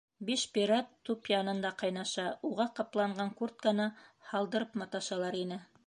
Биш пират туп янында ҡайнаша, уға ҡапланған «куртканы» һалдырып маташалар ине.